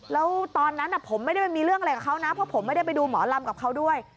แล้วตอนนั้นผมไม่ได้ไปมีเรื่องอะไรกับเขานะเพราะผมไม่ได้ไปดูหมอลำกับเขาด้วย